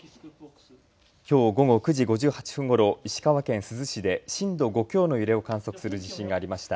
きょう午後９時５８分ごろ石川県珠洲市で震度５強の揺れを観測する地震がありました。